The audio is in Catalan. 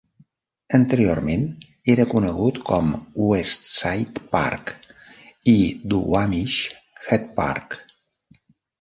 Anteriorment, era conegut com West Side Park i Duwamish Head Park.